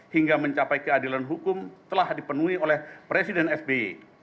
hingga mencapai keadilan hukum telah dipenuhi oleh presiden sby